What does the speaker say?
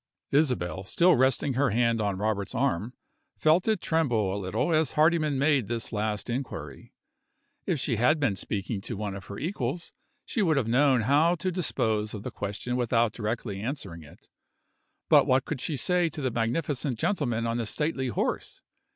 Isabel, still resting her hand on Robert's arm, felt it tremble a little as Hardyman made this last inquiry. If she had been speaking to one of her equals she would have known how to dispose of the question without directly answering it. But what could she say to the magnificent gentleman on the stately horse?